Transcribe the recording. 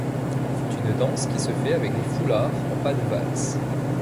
C'est une danse qui se fait avec des foulards en pas de valse.